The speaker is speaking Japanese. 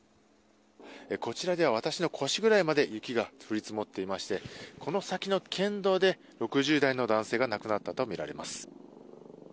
こちらでは私の腰ぐらいまで雪が降り積もっていましてこの先の県道で６０代の男性が亡くなったとみられます。